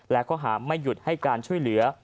และข้อหาไม่หยุดให้การช่วยเหลือ